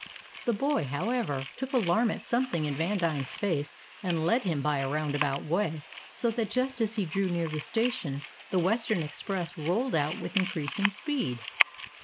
The boy, however, took alarm at something in Vandine's face, and led him by a roundabout way, so that just as he drew near the station the Western Express rolled out with increasing speed.